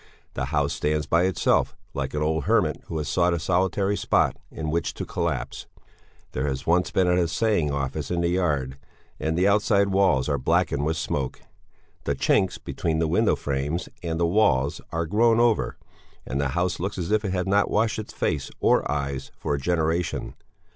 The house stands by itself, like an old hermit who has sought a solitary spot in which to collapse. There has once been an Assaying Office in the yard, and the outside walls are blackened with smoke. The chinks between the window frames and the walls are grown over, and the house looks as if it had not washed its face or eyes for a generation.